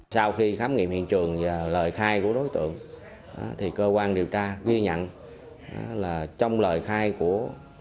sau khi khám nghiệm hiện trường và lời khai của đối tượng thì cơ quan điều tra ghi nhận là trong lời khai của